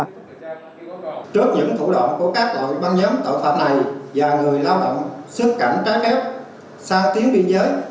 trước những thủ đoạn của các loại băng nhóm tội phạm này và người lao động xuất cảnh trái phép sang tuyến biên giới